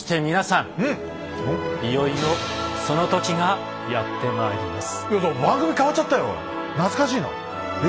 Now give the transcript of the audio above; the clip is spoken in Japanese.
いよいよ「その時」がやってまいります。